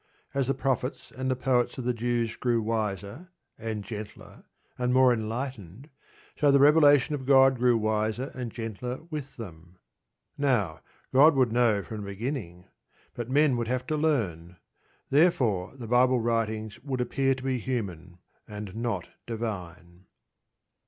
As the prophets and the poets of the Jews grew wiser, and gentler, and more enlightened, so the revelation of God grew wiser and gentler with them. Now, God would know from the beginning; but men would have to learn. Therefore the Bible writings would appear to be human, and not divine.